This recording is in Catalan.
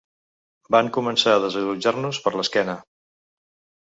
Van començar a desallotjar-nos per l’esquena.